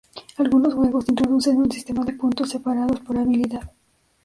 Algunos juegos introducen un sistema de puntos separados por habilidad.